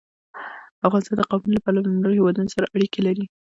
افغانستان د قومونه له پلوه له نورو هېوادونو سره اړیکې لري.